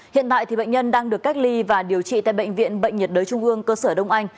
hiện tại bệnh nhân đang được cách ly và điều trị tại bệnh viện bệnh nhiệt đới trung ương cơ sở đông anh